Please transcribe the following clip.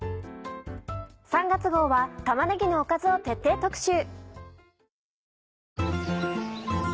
３月号は玉ねぎのおかずを徹底特集。